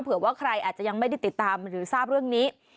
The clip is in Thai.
เผื่อว่าใครอาจจะยังไม่ได้ติดตามหรือทราบเรื่องนี้